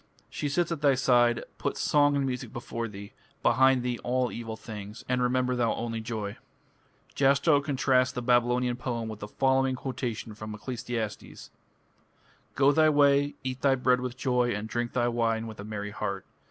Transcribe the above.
She sits at thy side. Put song and music before thee, Behind thee all evil things, And remember thou (only) joy. Jastrow contrasts the Babylonian poem with the following quotation from Ecclesiastes: Go thy way, eat thy bread with joy, and drink thy wine with a merry heart....